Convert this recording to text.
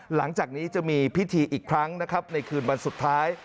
หลังจากนี้จะมีพิธีอีกครั้งนะครับในคืนวันสุดท้าย